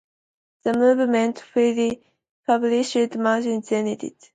The movement published the magazine "Zenit".